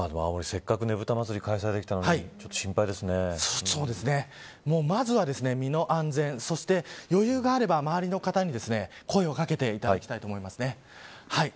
せっかくねぶた祭が開催できたのにまずは身の安全そして余裕があれば周りの方に声を掛けていただきたいと思います。